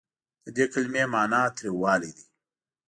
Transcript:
د دې کلمې معني تریوالی دی.